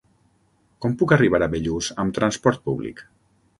Com puc arribar a Bellús amb transport públic?